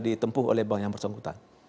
ditempuh oleh bank yang bersangkutan